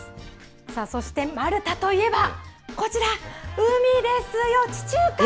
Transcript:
さあ、そしてマルタといえば、こちら、海ですよ、地中海！